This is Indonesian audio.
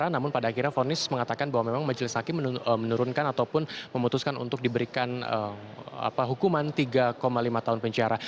namun pada akhirnya vonis mengatakan bahwa memang majelis hakim menurunkan ataupun memutuskan untuk diberikan hukuman tiga lima tahun penjara